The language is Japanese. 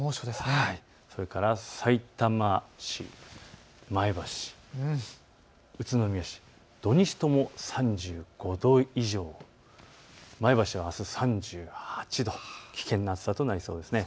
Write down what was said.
それからさいたま、前橋、宇都宮市、土日とも３５度以上、前橋はあす３８度、危険な暑さとなりそうです。